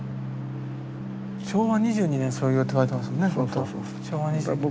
「昭和２２年創業」って書いてますもんね。